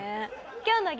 今日の激